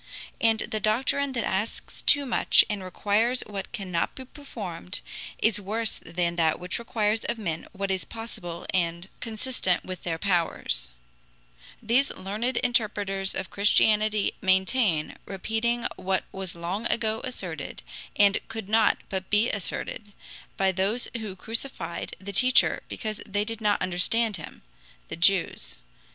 "And the doctrine that asks too much, and requires what cannot be performed, is worse than that which requires of men what is possible and consistent with their powers," these learned interpreters of Christianity maintain, repeating what was long ago asserted, and could not but be asserted, by those who crucified the Teacher because they did not understand him the Jews.